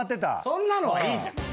そんなのはいいじゃん。